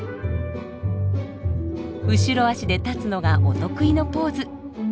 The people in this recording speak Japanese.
後ろ足で立つのがお得意のポーズ。